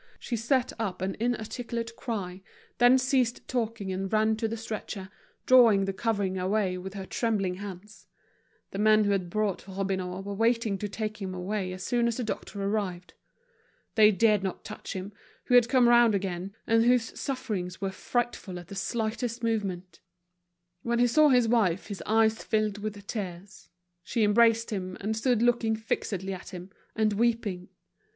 She set up an inarticulate cry, then ceased talking and ran to the stretcher, drawing the covering away with her trembling hands. The men who had brought Robineau were waiting to take him away as soon as the doctor arrived. They dared not touch him, who had come round again, and whose sufferings were frightful at the slightest movement. When he saw his wife his eyes filled with tears. She embraced him, and stood looking fixedly at him, and weeping.